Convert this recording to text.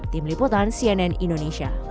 tim liputan cnn indonesia